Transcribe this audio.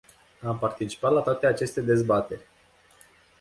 Am participat la toate aceste dezbateri.